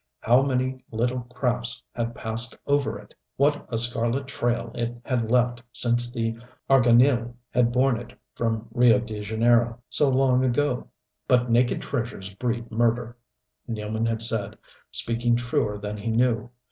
How many little crafts had passed over it! What a scarlet trail it had left since the Arganil had borne it from Rio de Janeiro, so long ago. "But naked treasures breed murder!" Nealman had said speaking truer than he knew....